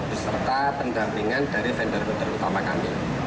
berserta pendampingan dari vendor utama kami